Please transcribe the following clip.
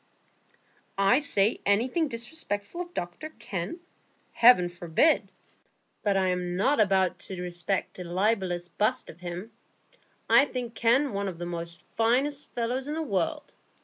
"I say anything disrespectful of Dr Kenn? Heaven forbid! But I am not bound to respect a libellous bust of him. I think Kenn one of the finest fellows in the world.